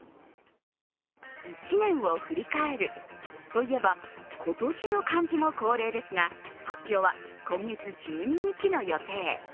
１年を振り返るといえば、今年の漢字も恒例ですが発表は今月１２日の予定。